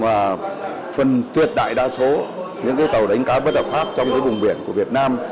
và phần tuyệt đại đa số những cái tàu đánh cá bất hợp pháp trong cái vùng biển của việt nam